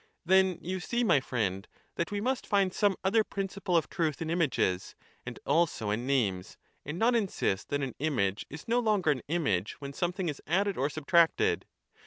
Then you see, my friend, that we must find some other principle of truth in images, and also in names ; and not insist that an image is no longer an image when some thing is added or subtracted.